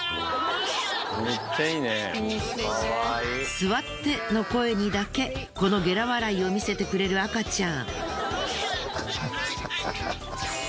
「座って」の声にだけこのゲラ笑いを見せてくれる赤ちゃん。